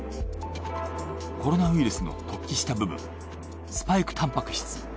コロナウイルスの突起した部分スパイクタンパク質。